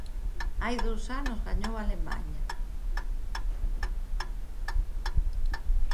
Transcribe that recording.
Hai dous anos gañou Alemaña.